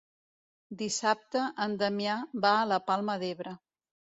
Dissabte en Damià va a la Palma d'Ebre.